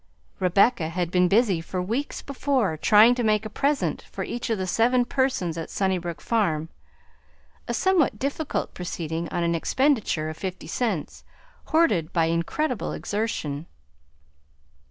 Rebecca had been busy for weeks before, trying to make a present for each of the seven persons at Sunnybrook Farm, a somewhat difficult proceeding on an expenditure of fifty cents, hoarded by incredible exertion.